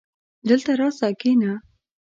دلته راسه کينه